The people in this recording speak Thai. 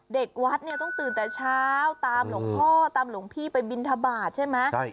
เด็กวัดเนี่ยต้องตื่นแต่เช้าตามหลวงพ่อตามหลวงพี่ไปบินทบาทใช่ไหม